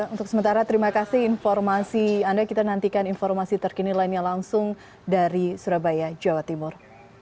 untuk sementara terima kasih informasi anda kita nantikan informasi terkini lainnya langsung dari surabaya jawa timur